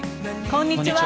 こんにちは。